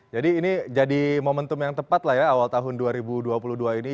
jadi ini jadi momentum yang tepat lah ya awal tahun dua ribu dua puluh dua ini